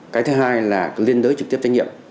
cái thứ hai là liên đối trực tiếp trách nhiệm